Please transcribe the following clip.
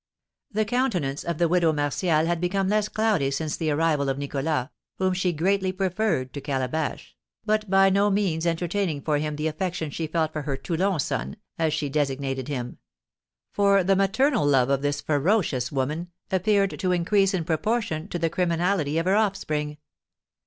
The countenance of the widow Martial had become less cloudy since the arrival of Nicholas, whom she greatly preferred to Calabash, but by no means entertaining for him the affection she felt for her Toulon son, as she designated him; for the maternal love of this ferocious woman appeared to increase in proportion to the criminality of her offspring.